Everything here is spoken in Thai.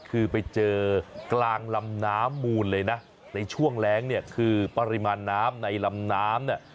คือไปเจอกลางลำน้ำมูลเลยนะในช่วงแรงเนี่ยคือปริมาณน้ำในลำน้ำเนี่ย